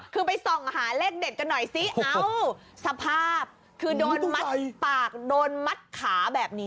คือไปส่องหาเลขเด็ดกันหน่อยสิเอ้าสภาพคือโดนมัดปากโดนมัดขาแบบนี้